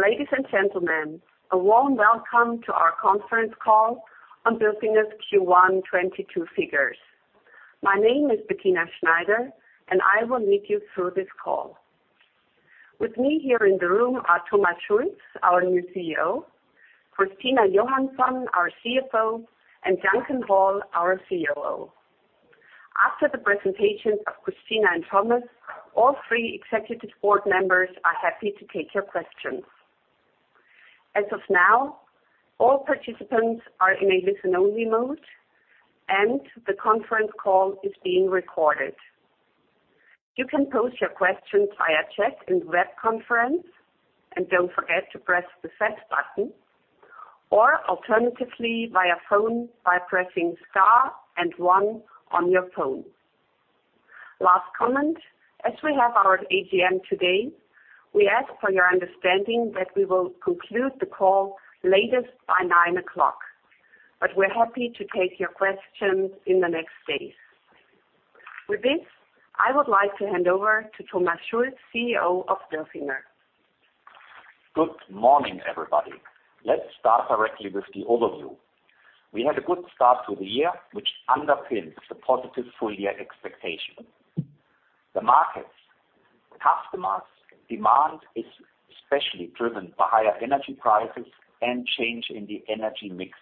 Ladies and gentlemen, a warm welcome to our conference call on Bilfinger's Q1 2022 figures. My name is Bettina Schneider, and I will lead you through this call. With me here in the room are Thomas Schulz, our new CEO, Christina Johansson, our CFO, and Duncan Hall, our COO. After the presentation of Christina and Thomas, all three executive board members are happy to take your questions. As of now, all participants are in a listen-only mode, and the conference call is being recorded. You can pose your questions via chat in the web conference, and don't forget to press the Set button, or alternatively via phone by pressing Star and one on your phone. Last comment, as we have our AGM today, we ask for your understanding that we will conclude the call latest by 9:00 A.M. We're happy to take your questions in the next days. With this, I would like to hand over to Thomas Schulz, CEO of Bilfinger. Good morning, everybody. Let's start directly with the overview. We had a good start to the year, which underpins the positive full year expectation. The markets. Customer demand is especially driven by higher energy prices and change in the energy mix.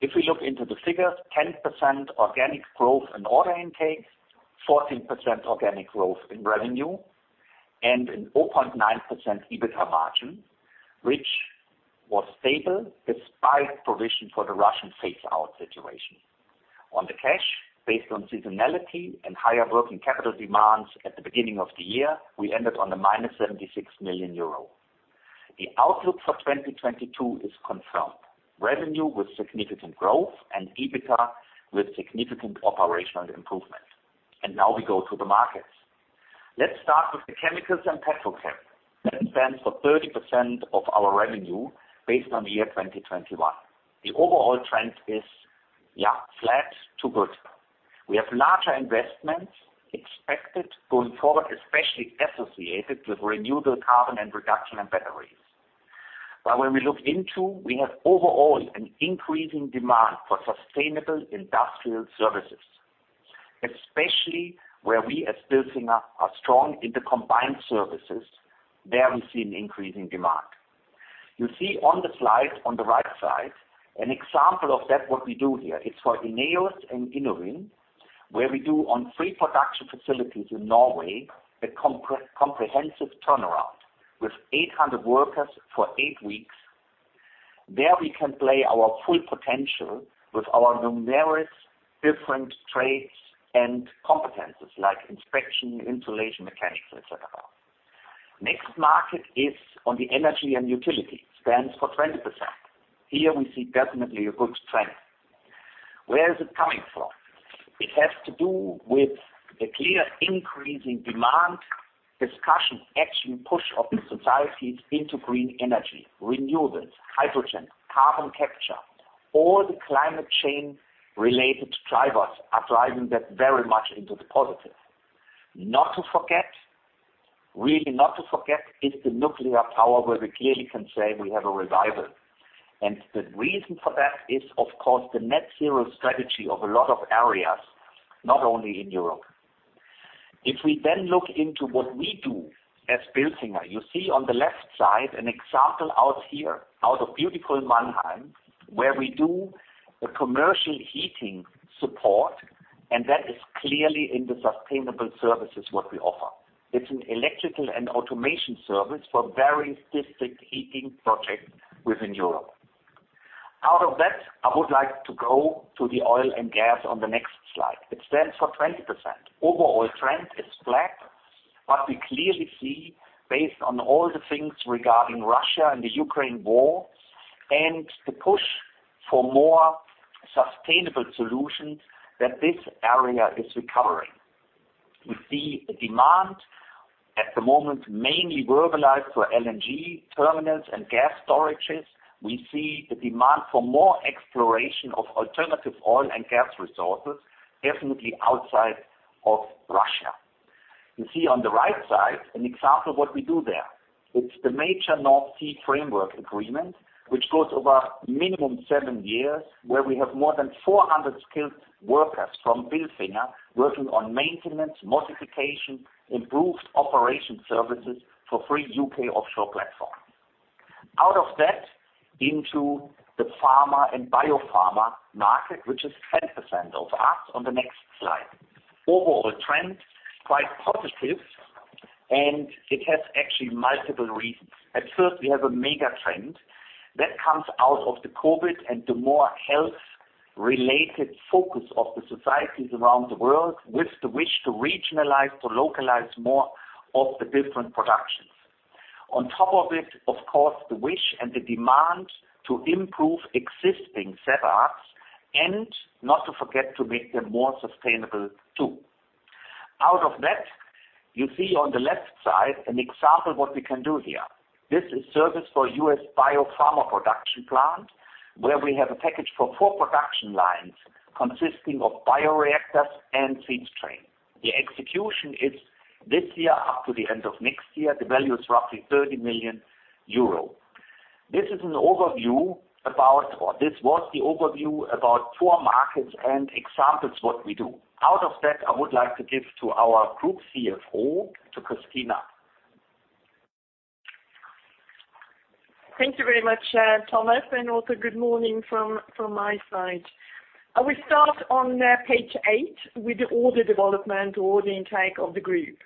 If we look into the figures, 10% organic growth in order intake, 14% organic growth in revenue, and a 0.9% EBITDA margin, which was stable despite provision for the Russian phase-out situation. On the cash, based on seasonality and higher working capital demands at the beginning of the year, we ended on -76 million euro. The outlook for 2022 is confirmed. Revenue with significant growth and EBITDA with significant operational improvement. Now we go to the markets. Let's start with the chemicals and petrochemicals. That stands for 30% of our revenue based on the year 2021. The overall trend is, yeah, flat to good. We have larger investments expected going forward, especially associated with renewable carbon and reduction and batteries. When we look into, we have overall an increasing demand for sustainable industrial services, especially where we as Bilfinger are strong in the combined services. There we see an increase in demand. You see on the slide on the right side, an example of that what we do here. It's for INEOS and INOVYN, where we do on three production facilities in Norway, a comprehensive turnaround with 800 workers for eight weeks. There we can play our full potential with our numerous different trades and competencies, like inspection, insulation, mechanics, et cetera. Next market is on the energy and utility, stands for 20%. Here we see definitely a good trend. Where is it coming from? It has to do with the clear increasing demand, discussion, action, push of the societies into green energy, renewables, hydrogen, carbon capture. All the climate change related drivers are driving that very much into the positive. Not to forget. Really not to forget is the nuclear power, where we clearly can say we have a revival. The reason for that is, of course, the net zero strategy of a lot of areas, not only in Europe. If we then look into what we do as Bilfinger, you see on the left side an example out here, out of beautiful Mannheim, where we do a commercial heating support, and that is clearly in the sustainable services what we offer. It's an electrical and automation service for various district heating projects within Europe. Out of that, I would like to go to the oil and gas on the next slide. It stands for 20%. Overall trend is flat, but we clearly see based on all the things regarding Russia and the Ukraine war and the push for more sustainable solutions that this area is recovering. We see a demand at the moment mainly verbalized for LNG terminals and gas storage. We see a demand for more exploration of alternative oil and gas resources, definitely outside of Russia. You see on the right side an example of what we do there. It's the major North Sea framework agreement, which goes over minimum seven years, where we have more than 400 skilled workers from Bilfinger working on maintenance, modification, improvement, operation services for three UK offshore platforms. Out of that into the pharma and biopharma market, which is 10% of us on the next slide. Overall trend, quite positive, and it has actually multiple reasons. At first, we have a mega trend that comes out of the COVID and the more health-related focus of the societies around the world with the wish to regionalize, to localize more of the different productions. On top of it, of course, the wish and the demand to improve existing setups and not to forget to make them more sustainable, too. Out of that, you see on the left side an example what we can do here. This is service for U.S. biopharma production plant, where we have a package for four production lines consisting of bioreactors and feed stream. The execution is this year up to the end of next year. The value is roughly 30 million euro. This is an overview about, or this was the overview about four markets and examples what we do. Out of that, I would like to give to our Group CFO, to Christina. Thank you very much, Thomas, and also good morning from my side. I will start on page eight with the order development or the intake of the group.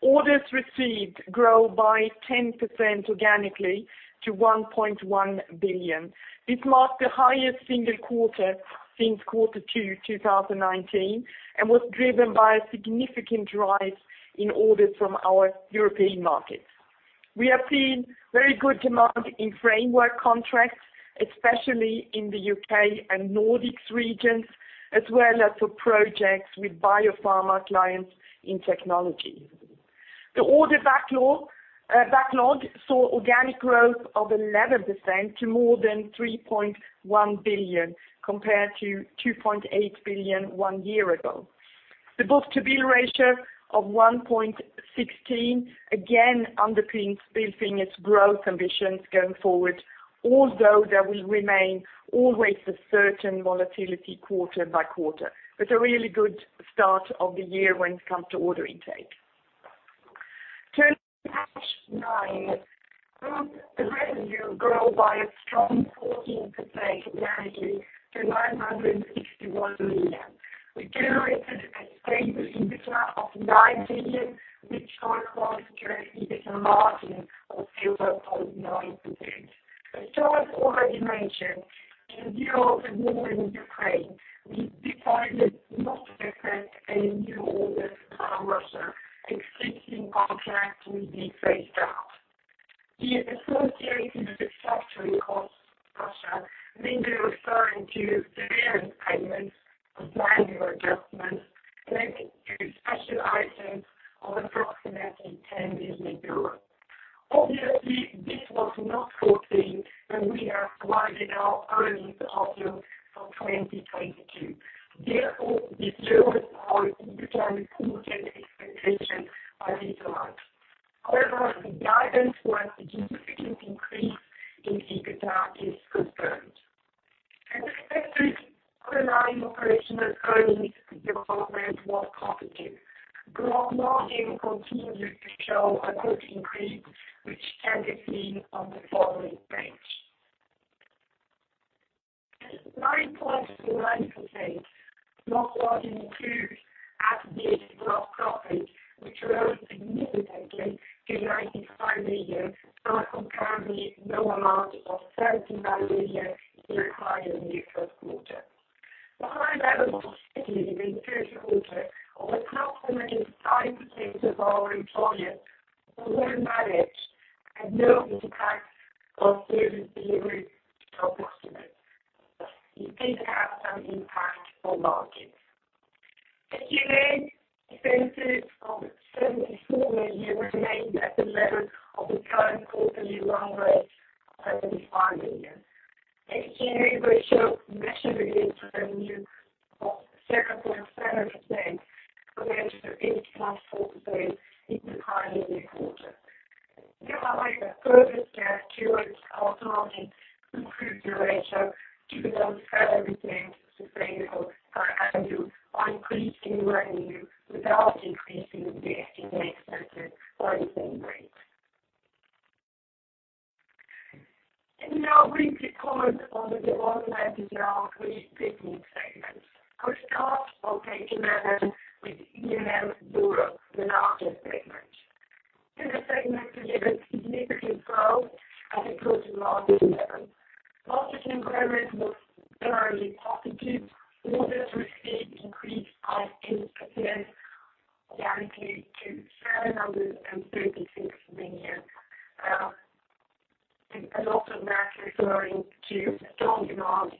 Orders received grow by 10% organically to 1.1 billion. This marks the highest single quarter since quarter two, 2019, and was driven by a significant rise in orders from our European markets. We have seen very good demand in framework contracts, especially in the UK and Nordics regions, as well as for projects with biopharma clients in technology. The order backlog saw organic growth of 11% to more than 3.1 billion, compared to 2.8 billion one year ago. The book-to-bill ratio of 1.16 again underpins Bilfinger's growth ambitions going forward, although there will remain always a certain volatility quarter by quarter. It's a really good start of the year when it comes to order intake. Turning to page nine, group revenue grew by a strong 14% organically to EUR 961 million. We generated a stable EBITDA of of approximately 5% of our employees was well managed and had no impact on service delivery to our customers. It did have some impact on margins. SGA expenses of EUR 74 million remained at the level of the current quarterly run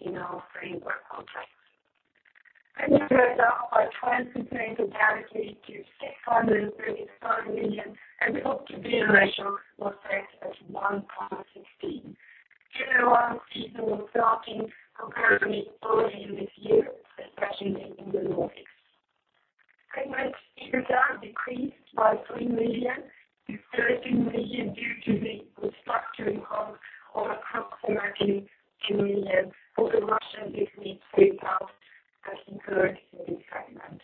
in our framework contracts. Revenue are up by 20% organically to EUR 637 million, and the book-to-bill ratio was set at 1.16. General order season was starting comparatively early in this year, especially in the Nordics. Segment EBITDA decreased by 3 million to 13 million due to the restructuring costs of approximately 2 million for the Russian business phased out and incurred in this segment.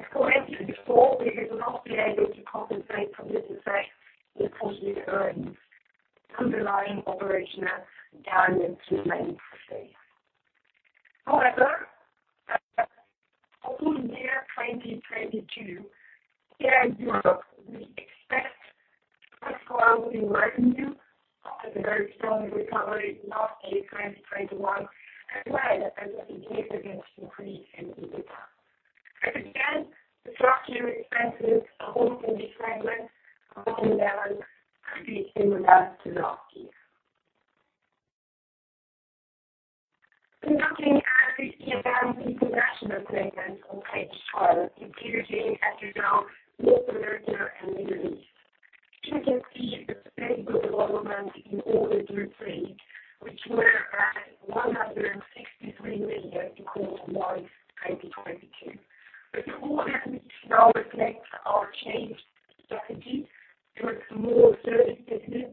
As mentioned before, we will not be able to compensate for this effect in terms of earnings. Underlying operational guidance remains the same. However, for full year 2022, here in Europe, we expect first growth in revenue after the very strong recovery in last year, 2021, as well as a significant increase in EBITDA. As again, restructuring expenses are holding this segment down pretty in regards to last year. Looking at the E&M International segment on page 12, including Australia, North America, and Middle East. Here you see a stable development in order intake, which were at 163 million in Q1 2022. The quarter now reflects our changed strategy towards a more service business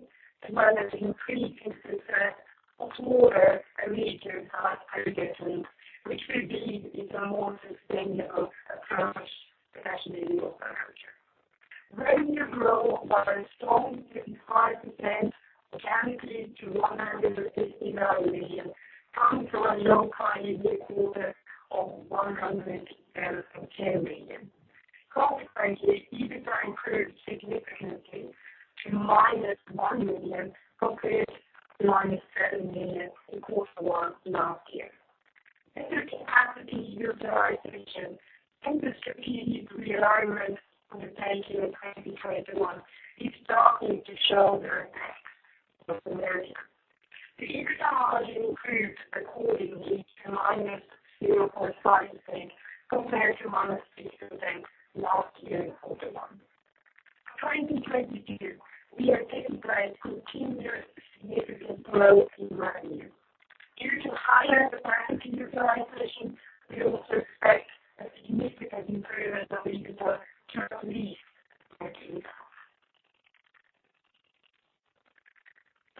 as well as increasing the share of orders and major capex, which we believe is a more sustainable approach, especially in Europe and Russia. Revenue growth by a strong 55% organically to EUR 159 million comes from a low comparative quarter of 110 million. Consequently, EBITDA improved significantly to -1 million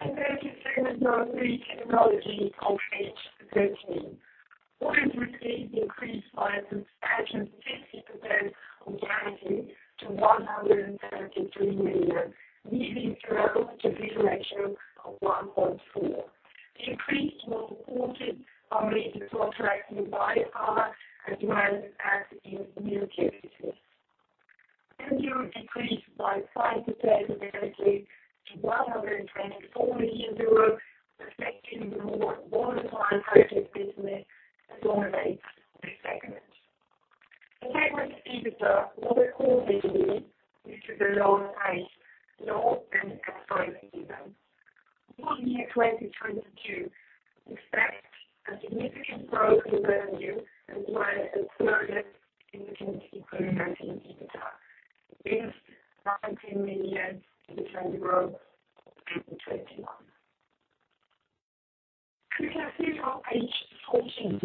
compared to EUR -7 million in quarter one last year. Better capacity utilization and the strategic realignment undertaken in 2021 is starting to show its effects positively. The EBITDA has improved accordingly to -0.5% compared to -6% last year in quarter one. In 2022, we expect continuous significant growth in revenue. Due to higher capacity utilization, we also expect a significant improvement in EBITDA to be realized in Q2. To segment number three, Technologies or page 13. Orders received increased by a substantial 60% organically to EUR 133 million, leading to a book-to-bill ratio of 1.4. The increase was supported by major contracts in biopharma as well as in new territories. Revenue decreased by 5% organically to EUR 124 million, reflecting the more one-time project business that dominates this segment. The segment EBITDA was accordingly low, which is a low base, and at EUR 5 million. For the year 2022, we expect a significant growth in revenue as well as further significant improvement in EBITDA against EUR 19 million in the current year. Looking at figure page 14,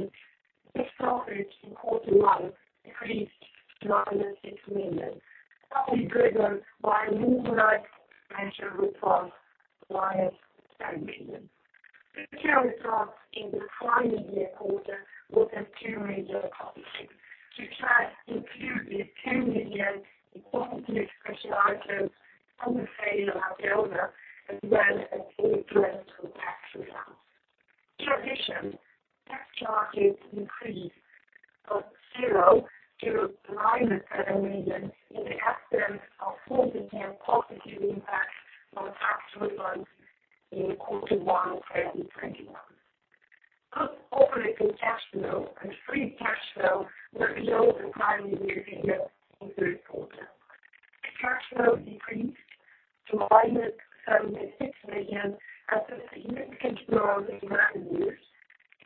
the profit in quarter one decreased to -EUR 6 million, partly driven by a normalized financial result -10 million. The net loss in the current year quarter was EUR 2 million. Which has included EUR 10 million non-recurring special items from the sale of Apleona as well as a favorable tax result. In addition, net charges increased from 0 to -7 million in the absence of full-year positive impact from a tax refund in Q1 2021. Turning to the cash flow and free cash flow were below the current year figure in the first quarter. The cash flow decreased to -EUR 76 million as a significant growth in revenues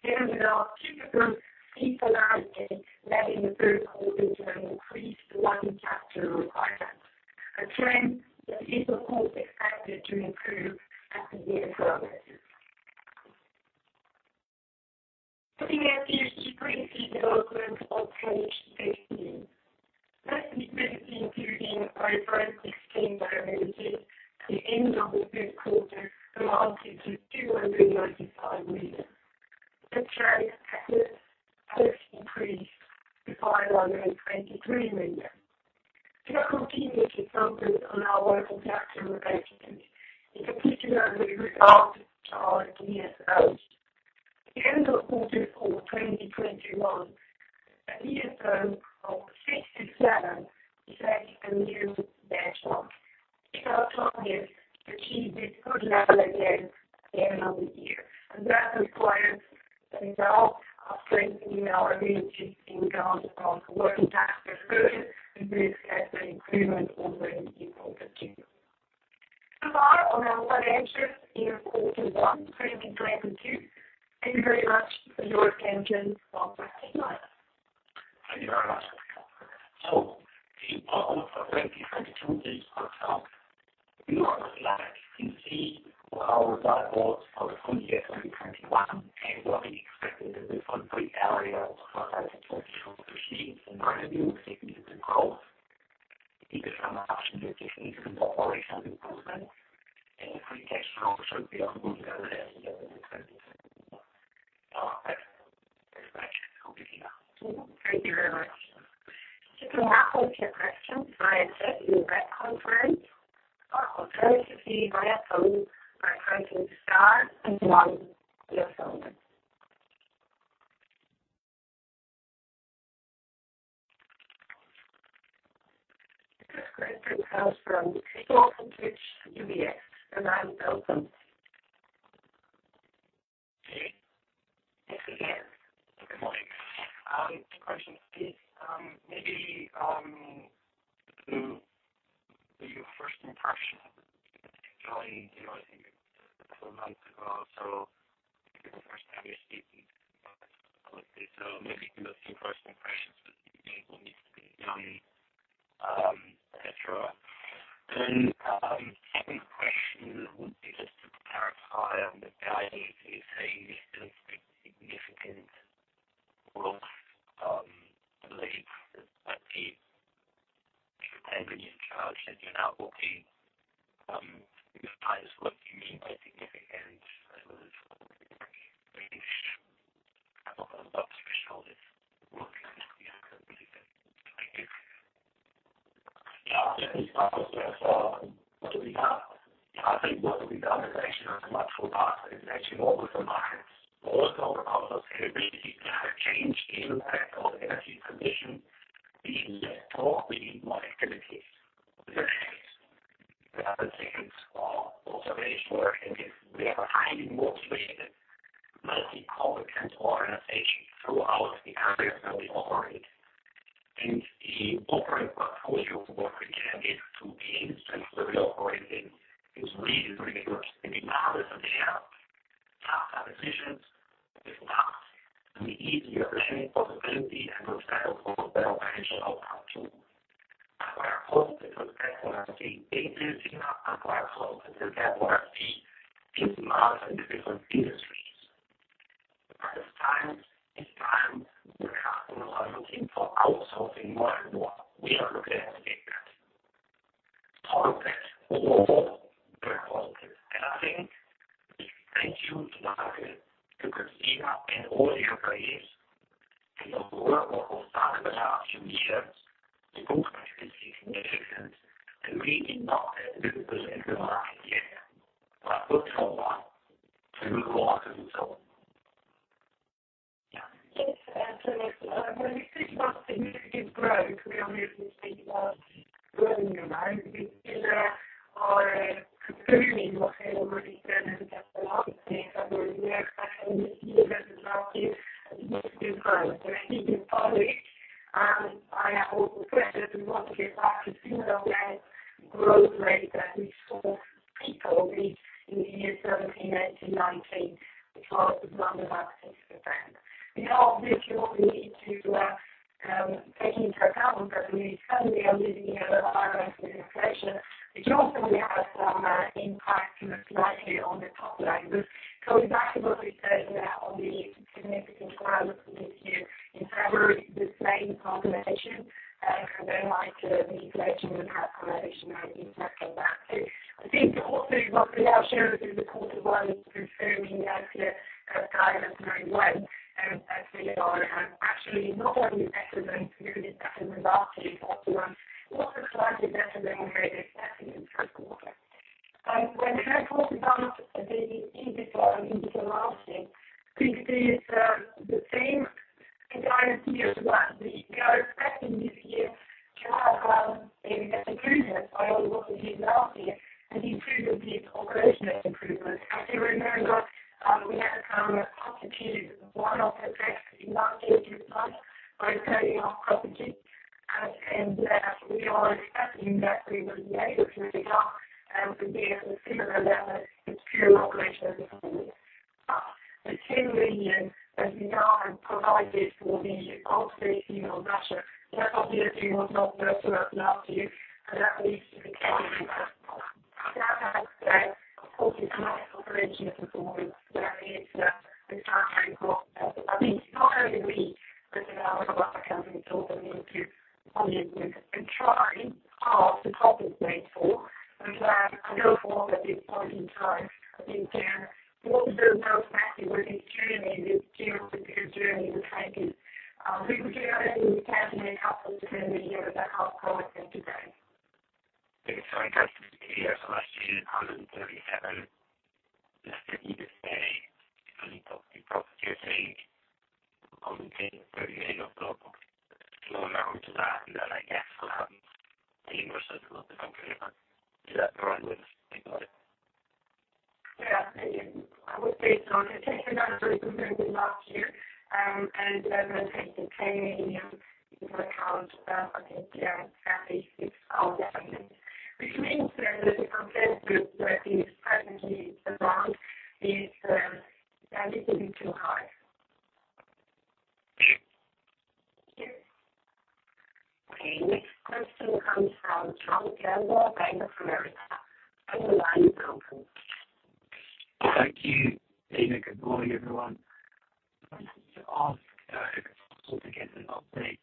generated our typical seasonality that in the first quarter can increase the working capital requirements, a trend that is of course expected to improve as the year progresses. Looking at the strategic development on page 15. Net liquidity, including our progress scheme facilities at the end of the first quarter, amounted to 295 million, which has helped increase to EUR 523 million. We are continuously focused on our working capital management, in particular with regard to our DSOs. At the end of quarter four 2021, a DSO of 67 set a new benchmark. It's our target to achieve this good level again at the end of the year, and that requires a result of strengthening our abilities in terms of working capital further and this has been improving already in quarter two. So far on our financials in quarter one 2022. Thank you very much for your attention so far tonight. Thank you very much. The outlook for 2022 is as follows. You can see our dashboards for the full year 2021 and what we expect in the different gray areas for 2022 to see. It's in revenue, EBITDA, and cost. The EBITDA margin, which is improvement operational improvement and the free cash flow should be on good level as in 2021. I'll take any questions from here. Thank you very much. You can now put your questions via chat in the web conference or alternatively via phone by pressing star then one on your phone. The first question comes from Gregor Kuglitsch from UBS, the line is open. Hey. Yes, it is. Good morning. The question is, maybe, your first impression of joining, you know, I think a couple of months ago or so. Maybe give us some first impressions of what needs to be done, et cetera. Second question would be just to clarify on the guidance. You say you're still seeing significant growth, believe that the revenue charge that you're now booking, your guidance was usually significant. I was British. I'm not going to love specialists. I think what we've done as a, as a, as a much for us is actually more with the minds. The power of scalability to have a change impact on energy transition in the top of the activities. The other things are also very sure. The operating portfolio for what we can get to the industries that we operate in is really, really good. Regardless of their tough decisions, it's not an easy or any possibility and will result in a better financial outcome to acquisition costs because that's what I see. It is enough acquisition costs unlike what I see in other different industries. This time the customers are looking for outsourcing more and more. We are looking at that. Part of that overall growth. I think a huge market to Christina and all the other guys in the work of the last few years to grow quite significantly. We are not at 50% of the market yet, but good from that. We'll call that a result. Yes. When you think about significant growth, we obviously think about growing your mind. We and then I guess what happens anywhere. I don't know if I'm clear, but is that the right way I got it? Yeah. I would say so. It takes it down to, compared with last year, and then takes the EUR 10 million into account of the GM at least six out of seven. Which means that the comparable group that is presently around is a little bit too high. Sure. Okay. Next question comes from John Campbell, Bank of America. One line open. Thank you, Tina. Good morning, everyone. Just to ask, if I could get an update,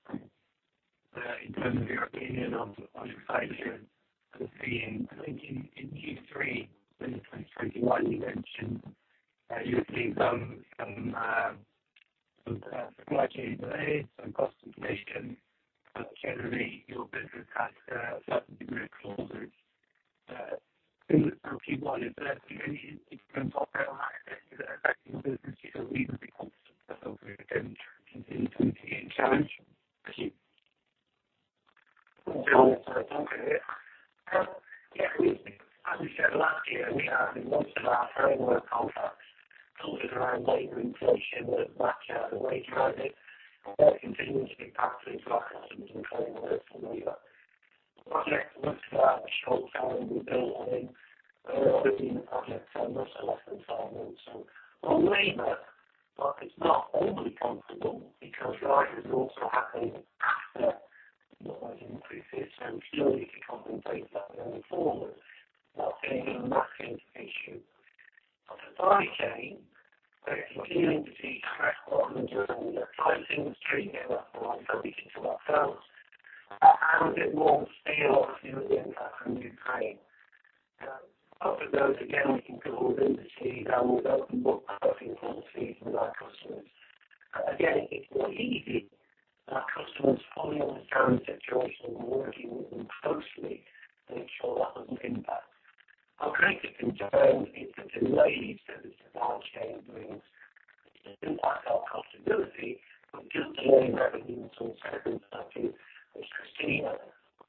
in terms of your opinion on inflation. I was seeing, I think in Q3, when in 2021 you mentioned, you were seeing some supply chain delays, some cost inflation. But generally your business had a certain degree of cover in Q1. Is there any different update on that affecting the business? You know, even the cost of goods continue to be a challenge for you? Yeah. As we said last year, we have in most of our framework contracts clauses around labor inflation that match the wage rises. They're continuously passed into our customers in terms of labor. Projects must have a short calendar build. I mean, earlier in the project, much less than five months. On labor, like it's not overly comfortable because rises also happen after not only in the previous term. Surely if you compensate that going forward, that's going to be a massive issue. The supply chain, we're continuing to see stress brought into the entire industry here, not just speaking to ourselves. And a bit more steel obviously with the impact from Ukraine. Other than those, again, we can pull the levers that we need and we'll book perfectly for the season with our customers. Again, it's not easy. Our customers fully understand the situation. We're working with them closely to ensure that doesn't impact. Our greatest concern is the delays that the supply chain brings. It impacts our profitability, but just delaying revenue until second half year, as Christina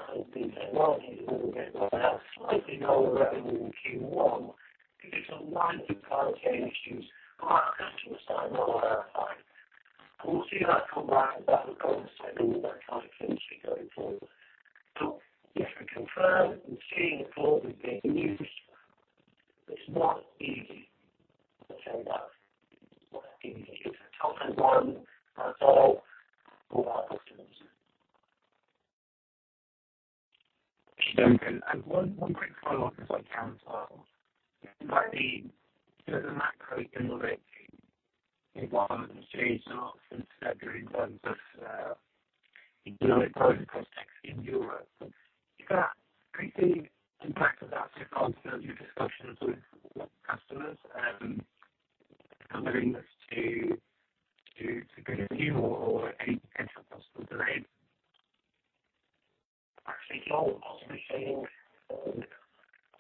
has been saying. Well, we did have slightly lower revenue in Q1 because of minor supply chain issues with our customers, not on our side. We'll see that come back with a vengeance in the second half with electrification going forward. Yes, we confirm we're seeing the product being used. It's not easy. As I said, that's not easy. It's a tough environment for us all, for our customers. Stephen, one quick follow-up if I can as well. Despite the sort of macroeconomic environment has changed a lot since February in terms of economic growth prospects in Europe. Are you seeing impact of that so far through your discussions with customers, a willingness to build fewer or any potential possible delays? Actually no. Possibly saying,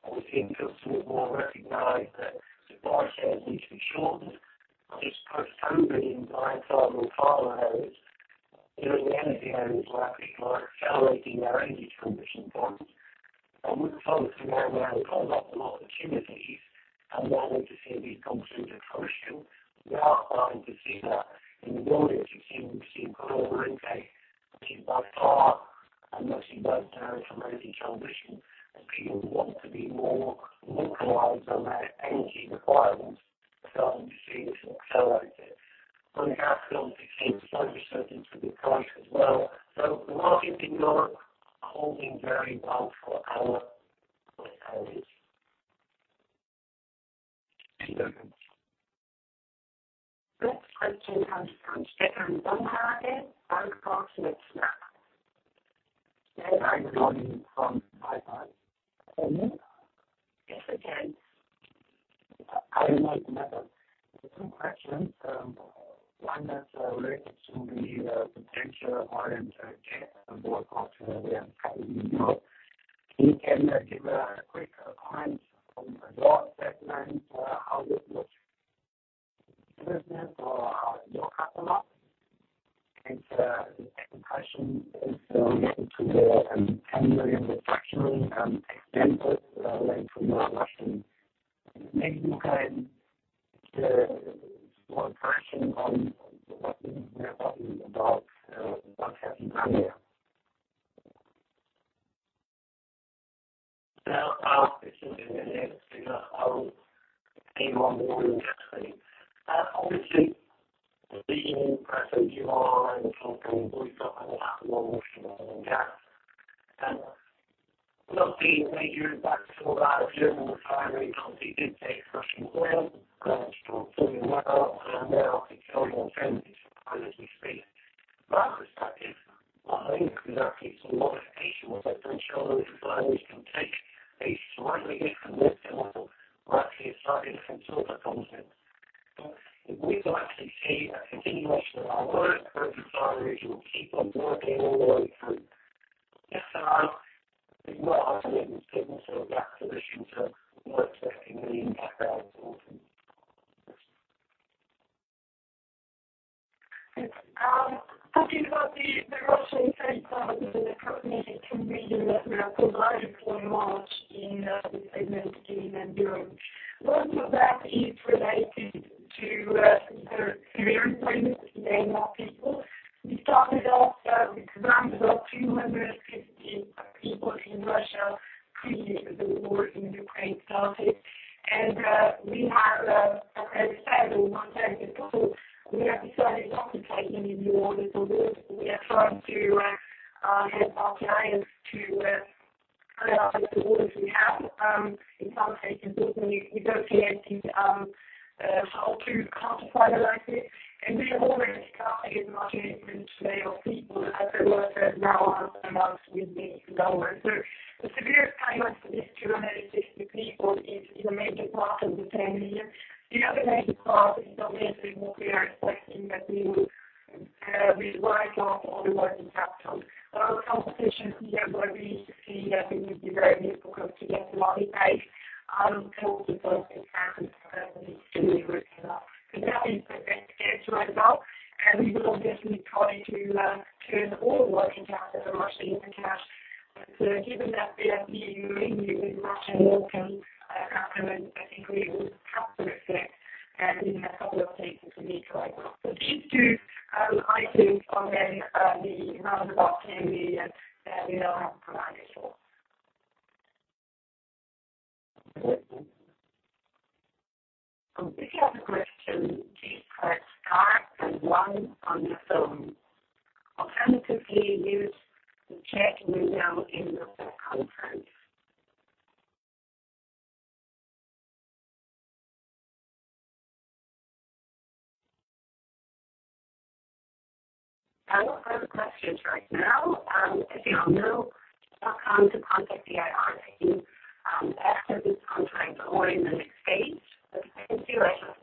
obviously industrials will recognize that supply chains need to be shortened. I just spoke to somebody in the oil and car areas. You know, in the energy areas where people are accelerating their energy transition plans. We're focusing on where we've got lots of opportunities and where we're to see these come through to fruition. We are starting to see that in the oil industry. We've seen Cologne/Rhine, which is by far a massive landowner for energy transition, and people want to be more localized on their energy requirements. I think we see this accelerated. On the house build, we've seen some certainty to the price as well. The market in Europe holding very well for our, for our needs. Thank you. Next question comes from Stefan Bumhard, Bank of America. Stefan, are you calling from Dubai? Yes, I can. How are you, mate? Two questions. One that's related to the potential oil and gas boycott we have currently in Europe. Can you give a quick comment from your segment how the business looks or how your customers and second question is related to the EUR 10 million restructuring expenses related to Russia. Maybe you can more information on what we were talking about, what's happening there. Now, I'll pitch in here. I will take on more of the gas thing. Obviously, said or Thomas Schulz said before, decided not to take any new orders or work. We are trying to help our clients to clear out the orders we have. In some cases, looking, negotiating how to quantify the liability. We have already cut as much of the inventory of people as there was. There now are about 50 lower. The severance payments to these 250 people is a major part of the EUR 10 million. The other major part is obviously what we are expecting that we will write off all the working capital. Our counterparts here were really tricky. I think it would be very difficult to get the money back. We thought it best to really write off. That is the best answer I have. We will obviously try to turn all the working capital from Russia into cash. Given that the EU ban on Russian oil can come in, I think we will have to accept taking a couple of hits as is needed right now. These two items are then around about EUR 10 million that we now have provided for. If you have a question, please press star then one on your phone. Alternatively, use the chat window in the conference. I don't have questions right now. As you all know, bilfinger.com to contact the IR team after this conference or in the next days. Thank you very much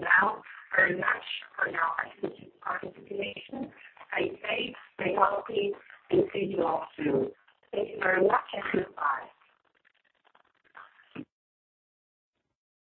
for your participation. Stay safe, stay healthy, and see you all soon. Thank you very much, and goodbye.